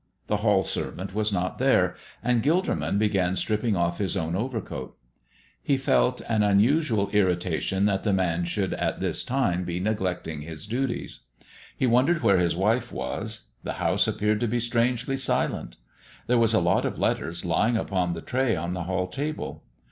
The hall servant was not there, and Gilderman began stripping off his own overcoat. He felt an unusual irritation that the man should at this time be neglecting his duties. He wondered where his wife was; the house appeared to be strangely silent. There was a lot of letters lying upon the tray on the hall table.